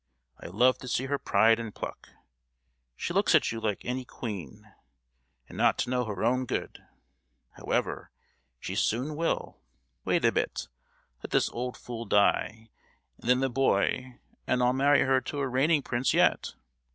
I love to see her pride and pluck. She looks at you like any queen. And not to know her own good! However, she soon will. Wait a bit; let this old fool die, and then the boy, and I'll marry her to a reigning prince yet!